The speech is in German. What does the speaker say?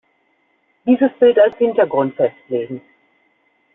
Dieses Bild als Hintergrund festlegen.